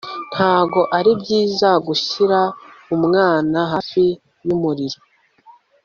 ntago aribyiza gushyira umwana Hafi yumuriro